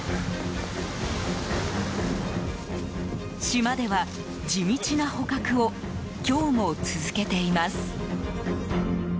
島では地道な捕獲を今日も続けています。